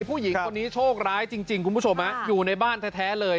ผู้หญิงคนนี้โชคร้ายจริงคุณผู้ชมอยู่ในบ้านแท้เลย